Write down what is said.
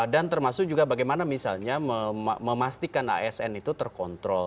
dan termasuk juga bagaimana misalnya memastikan asn itu terkontrol